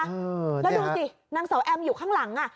แล้วดูสินางเสาแอมอยู่ข้างหลังอ่ะ